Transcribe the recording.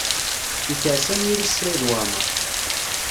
Yekres anyir-is Saɛid Waɛmaṛ.